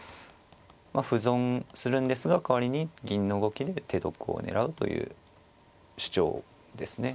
歩損するんですが代わりに銀の動きで手得を狙うという主張ですね。